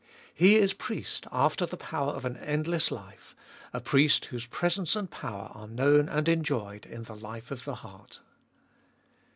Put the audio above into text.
He is Priest after the power of an endless life, a Priest whose presence and power are known and enjoyed in the life of the heart.